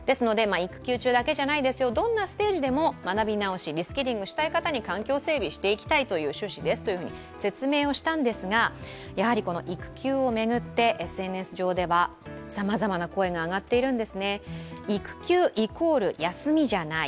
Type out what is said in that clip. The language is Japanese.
育休中だけじゃないですよ、どんなステージでも学び直し＝リスキリングしたい方に環境整備していきたいという趣旨ですと説明をしたんですが、やはり育休を巡ってＳＮＳ上ではさまざまな声が上がっているんです。